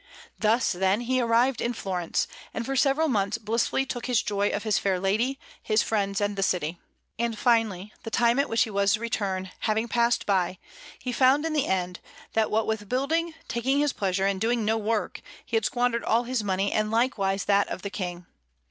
Thus, then, he arrived in Florence, and for several months blissfully took his joy of his fair lady, his friends, and the city. And finally, the time at which he was to return having passed by, he found in the end that what with building, taking his pleasure, and doing no work, he had squandered all his money and likewise that of the King.